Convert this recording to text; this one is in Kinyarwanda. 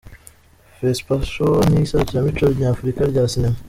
Fespaco ni iserukiramuco nyafurika rya sinema.